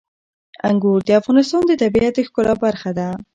انګور د افغانستان د طبیعت د ښکلا برخه ده.